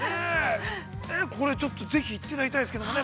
これ、ちょっとぜひ行っていただきたいですけどね。